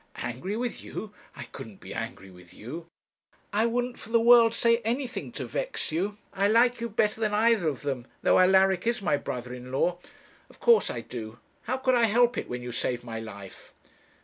'Angry with you! I couldn't be angry with you.' 'I wouldn't, for the world, say anything to vex you. I like you better than either of them, though Alaric is my brother in law. Of course I do; how could I help it, when you saved my life?'